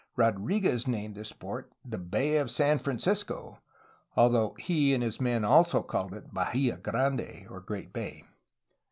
Rodriguez named this port the *^Bay of San Francisco," although he and his men also called it "Bahla Grande^' (Great Bay).